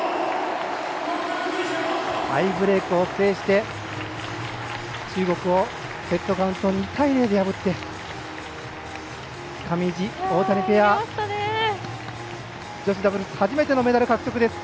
タイブレークを制して中国をセットカウント２対０で破って上地、大谷ペア女子ダブルス初めてのメダル獲得です。